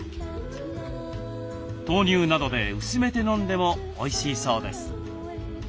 豆乳などで薄めて飲んでもおいしいそうです。